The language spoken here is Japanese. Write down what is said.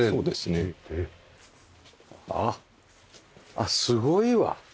あっすごいわ！